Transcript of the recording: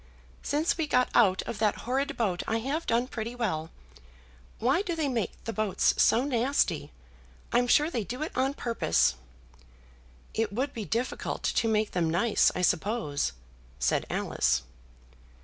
"Since we got out of that horrid boat I have done pretty well. Why do they make the boats so nasty? I'm sure they do it on purpose." "It would be difficult to make them nice, I suppose?" said Alice.